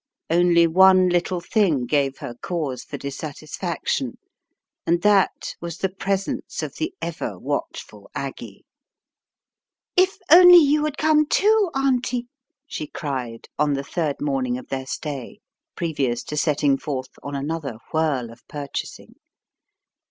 Only one little thing gave her cause for dis satisfaction, and that was the presence of the ever watchful Aggie. "If only you would come, too/Auntie," she cried, on the third morning of their stay, previous to setting In the Tiger's Clutches 81 forth on another whirl of purchasing.